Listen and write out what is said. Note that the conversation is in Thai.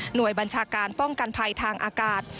โดยบัญชาการป้องกันภัยทางอากาศ